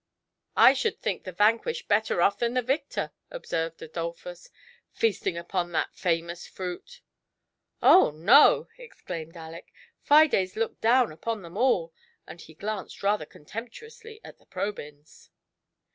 109 *' I should think the vanquished better oft* than the victor/' observed Adolphus, '' feasting upon that famous fruit." " Oh no !" exclaimed Aleck ;" Fides looked down upon them all," and he glanced rather contemptuously at the Probyns.